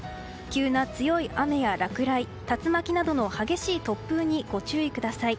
急な強い雨や落雷、竜巻などの激しい突風にご注意ください。